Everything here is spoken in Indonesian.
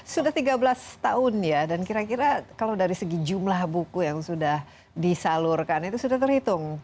sudah tiga belas tahun ya dan kira kira kalau dari segi jumlah buku yang sudah disalurkan itu sudah terhitung